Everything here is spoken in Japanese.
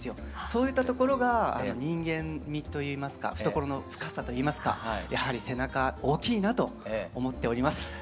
そういったところが人間味といいますか懐の深さといいますかやはり背中大きいなと思っております。